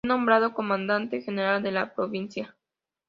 Fue nombrado comandante general de la provincia.